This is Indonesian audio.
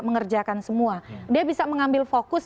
mengerjakan semua dia bisa mengambil fokus